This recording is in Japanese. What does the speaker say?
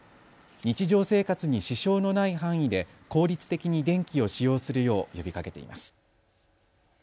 日常生活に支障のない範囲で効率的に電気を使用するよう呼びかけています。